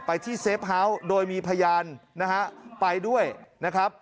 ที่เซฟเฮาส์โดยมีพยานนะฮะไปด้วยนะครับ